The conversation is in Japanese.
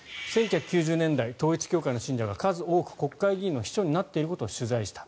１９９０年代、統一教会の信者が数多く国会議員の秘書になっていることを取材した。